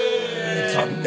残念。